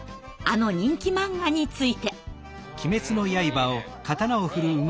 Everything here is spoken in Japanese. あの人気漫画について。